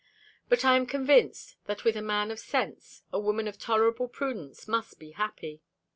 But I am convinced, that with a man of sense, a woman of tolerable prudence must be happy.